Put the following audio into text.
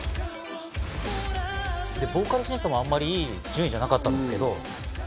ボーカル審査もあんまりいい順位じゃなかったんですけど